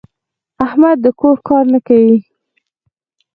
احمد د کور کار نه کوي.